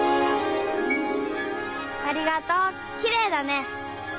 ありがとうきれいだね